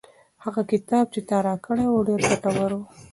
هغه کتاب چې تا راکړی و ډېر ګټور و.